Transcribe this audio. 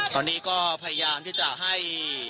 ตอนนี้ก็พยายามที่จะให้